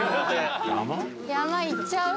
山行っちゃう？